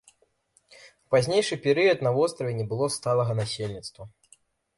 У пазнейшы перыяд на востраве не было сталага насельніцтва.